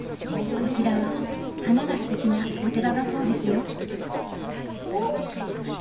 こちらは花がステキなお寺だそうですよおっ！